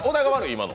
今の。